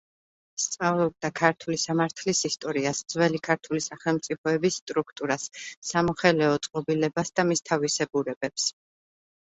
სწავლობდა ქართული სამართლის ისტორიას, ძველი ქართული სახელმწიფოების სტრუქტურას, სამოხელეო წყობილებას და მის თავისებურებებს.